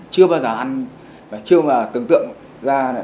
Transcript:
chưa bao giờ ăn chưa bao giờ tưởng tượng ra